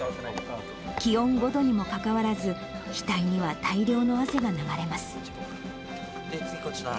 気温５度にもかかわらず、額には大量の汗が流れます。